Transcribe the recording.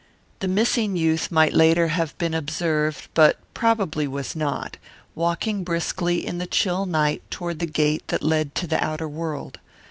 The missing youth might later have been observed, but probably was not, walking briskly in the chill night toward the gate that led to the outer world.